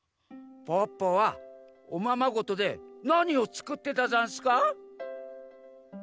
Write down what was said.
ポッポはおままごとでなにをつくってたざんすか？